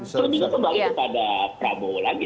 selebihnya kembali kepada prabowo lagi